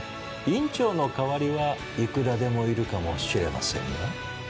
院長の代わりはいくらでもいるかもしれませんが。